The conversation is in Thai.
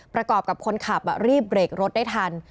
ประกอบกับคนขับรีบเบรกรถได้ทัน